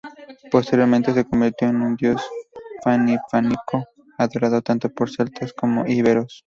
Posteriormente se convirtió en un dios panhispánico adorado tanto por celtas como íberos.